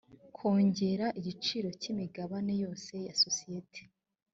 kongera igiciro cy imigabane yose ya sosiyete